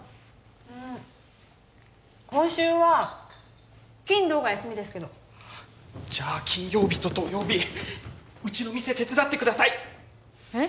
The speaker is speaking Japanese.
うん今週は金土が休みですけどじゃ金曜日と土曜日うちの店手伝ってくださいえっ？